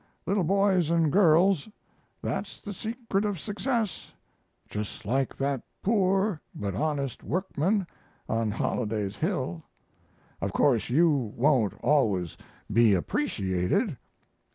Little boys and girls, that's the secret of success, just like that poor but honest workman on Holliday's Hill. Of course you won't always be appreciated.